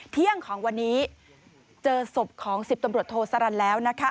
เที่ยงของวันนี้เจอศพของ๑๐ตำรวจโทสรรแล้วนะคะ